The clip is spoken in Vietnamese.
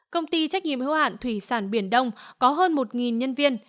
công ty trách nhiệm hữu hạn thủy sản biển đông có hơn một nhân viên